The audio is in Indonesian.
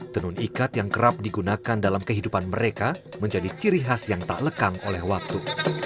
tenun ikat yang kerap digunakan dalam kehidupan mereka menjadi ciri khas yang tak lekang oleh waktu